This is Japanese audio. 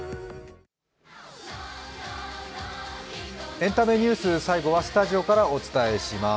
エンタメニュース最後はスタジオからお伝えします。